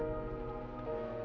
waduh kak butuh yoga